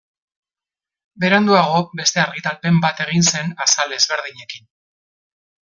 Beranduago beste argitalpen bat egin zen azal ezberdinekin.